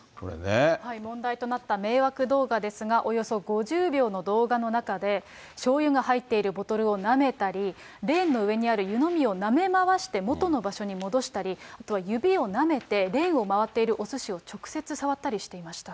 問題となった迷惑動画ですが、およそ５０秒の動画の中で、しょうゆが入っているボトルをなめたり、レーンの上にある湯飲みをなめ回して元の場所に戻したり、あとは指をなめて、レーンを回っているおすしを直接触ったりしていました。